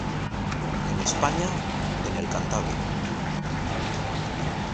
En España en el Cantábrico.